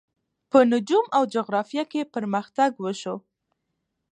په نجوم او جغرافیه کې پرمختګ وشو.